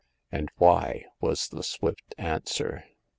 ''And why ?" was the swift answer.